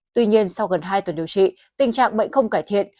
tuy nhiên sau gần hai tuần điều trị tình trạng bệnh không cải thiện